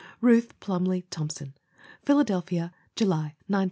Ruth Plumly Thompson. Philadelphia, July of 1923.